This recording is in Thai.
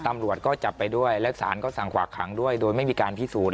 ตำรวจก็จับไปด้วยและสารก็สั่งขวากขังด้วยโดยไม่มีการพิสูจน